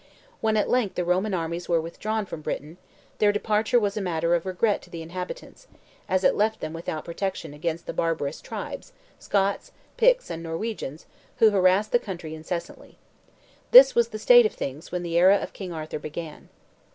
When at length the Roman armies were withdrawn from Britain, their departure was a matter of regret to the inhabitants, as it left them without protection against the barbarous tribes, Scots, Picts, and Norwegians, who harassed the country incessantly. This was the state of things when the era of King Arthur began.